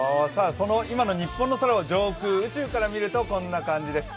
その今の日本の空、上空宇宙から見るとこんな感じです。